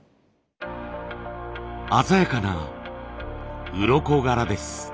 鮮やかなうろこ柄です。